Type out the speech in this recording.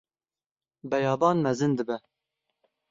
Beyaban mezin dibe.